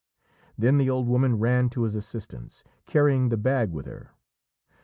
Then the old woman ran to his assistance, carrying the bag with her.